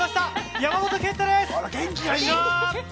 山本賢太です。